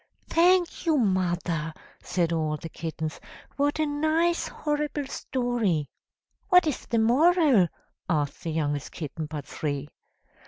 "Thank you, mother," said all the kittens; "what a nice horrible story." "What is the moral?" asked the youngest kitten but three.